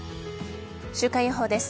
週間予報です。